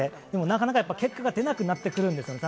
でも、なかなか結果が出なくなってくるんです。